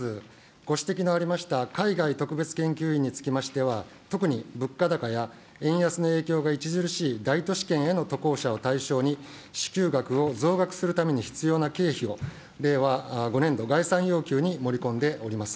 ご指摘のありました、海外特別研究員につきましては、特に物価高や円安の影響が著しい大都市圏への渡航者を対象に、支給額を増額するために必要な経費を、令和５年度概算要求に盛り込んでおります。